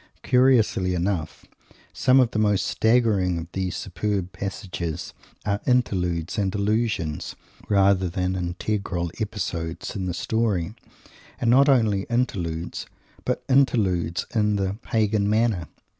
Curiously enough, some of the most staggering of these superb passages are interludes and allusions, rather than integral episodes in the story, and not only interludes, but interludes in the "pagan manner."